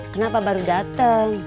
kenapa baru dateng